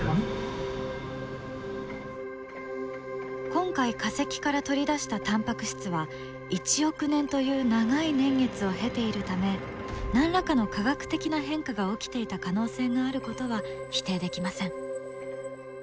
今回化石から取り出したタンパク質は１億年という長い年月を経ているため何らかの化学的な変化が起きていた可能性があることは否定できません。